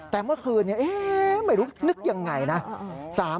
แต่เมื่อคืนนี้ไม่รู้นึกยังไงนะ